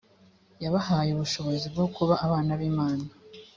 yabahaye ubushobozi bwo kuba abana b imana